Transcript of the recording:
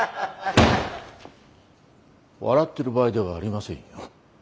笑ってる場合ではありませんよ。